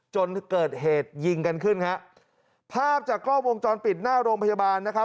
จนเกิดเหตุยิงกันขึ้นฮะภาพจากกล้องวงจรปิดหน้าโรงพยาบาลนะครับ